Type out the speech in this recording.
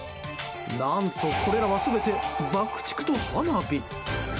何と、これらは全て爆竹と花火。